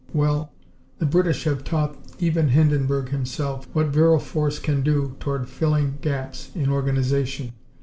Well, the British have taught even Hindenburg himself what virile force can do toward filling gaps in organization.